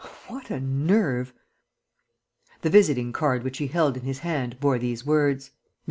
What a nerve!" The visiting card which he held in his hand bore these words: ++||| _M.